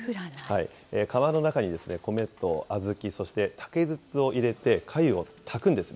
釜の中に米と小豆、そして竹筒を入れて、かゆを炊くんですね。